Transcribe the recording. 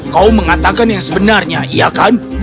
kau mengatakan yang sebenarnya iya kan